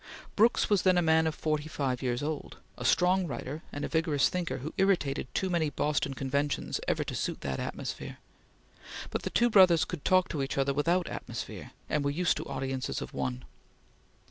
Brooks was then a man of forty five years old; a strong writer and a vigorous thinker who irritated too many Boston conventions ever to suit the atmosphere; but the two brothers could talk to each other without atmosphere and were used to audiences of one.